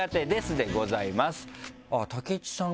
武知さん